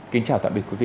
kính chào tạm biệt quý vị